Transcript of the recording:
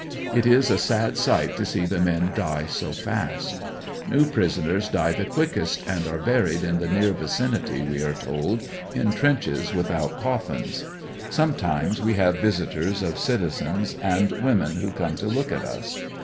It is a sad sight to see the men die so fast. JSew prisoners die the quickest and are buried in the near vicinity, we are told in trenches without coffins. Sometimes we have visitors of citizens and women who come to look at us.